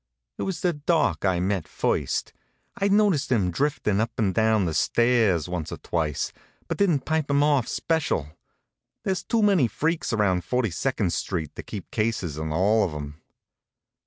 It was the Doc I met first. I'd noticed him driftin' up and down the stairs once or twice, but didn't pipe him off special. There's too many freaks around 42nd st. 'to keep cases on all of 'em.